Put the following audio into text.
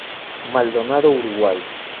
Maldonado Uruguay.